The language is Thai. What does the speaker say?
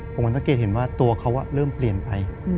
ผมก็สังเกตเห็นว่าตัวเขาเริ่มเปลี่ยนไป